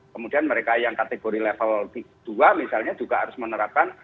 kemudian mereka yang kategori level dua misalnya juga harus menerapkan